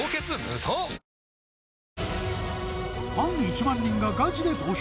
ファン１万人がガチで投票！